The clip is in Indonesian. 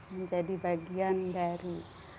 menjadi bagian dari